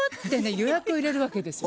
予約を入れるわけですよ。